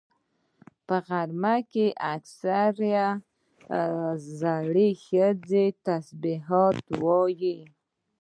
په غرمه کې اکثره زړې ښځې تسبيحات وایي